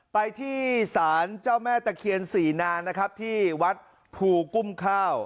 ไปที่ศาลเจ้าแม่ตะเคียนสี่นานนะครับที่วัดภูกุ้มข้าว